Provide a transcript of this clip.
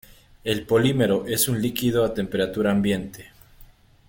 El polímero es un líquido a temperatura ambiente.